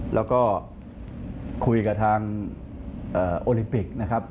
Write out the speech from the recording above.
แล้วก็คุยกับทางโอลิมปิกนะครับ